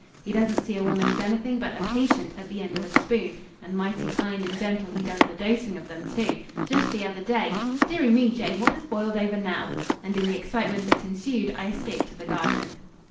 He doesn't see a woman as anything but a patient at the end of a spoon, and mighty kind and gentle he does the dosing of them, too. Just the other day dearie me, Jane, what has boiled over now?" And in the excitement that ensued I escaped to the garden.